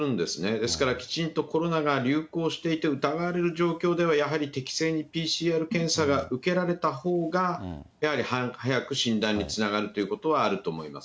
ですからきちんとコロナが流行していて、疑われる状況では、やはり適正にＰＣＲ検査が受けられたほうが、やはり早く診断につながるということはあると思いますね。